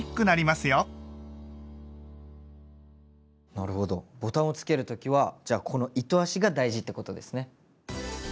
なるほどボタンをつける時はじゃあこの糸足が大事ってことですね。